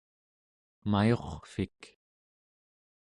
mayurrvik